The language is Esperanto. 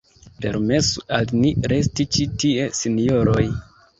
Permesu al ni resti ĉi tie, sinjoroj!